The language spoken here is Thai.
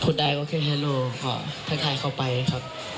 พูดได้ก็คิดฮัลโหลพอทางไทยเข้าไปครับ